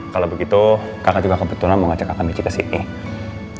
kalau begitu kakak juga kebetulan mau ngajak kakak michi kesini ya